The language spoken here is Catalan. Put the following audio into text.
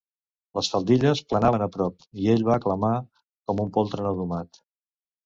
Les faldilles planaven a prop i ell va clamar com un poltre no domat.